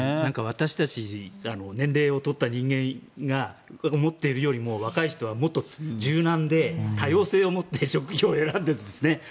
私たち年齢を取った人間が思っているよりも若い人はもっと柔軟で多様性を持って職業を選んでるんですね。